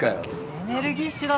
エネルギッシュだったな。